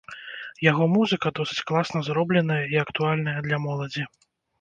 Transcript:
Яго музыка досыць класна зробленая і актуальная для моладзі.